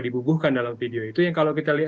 dibubuhkan dalam video itu yang kalau kita lihat